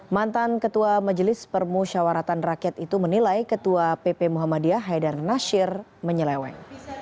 mantan ketua majelis permusyawaratan rakyat itu menilai ketua pp muhammadiyah haidar nasir menyeleweng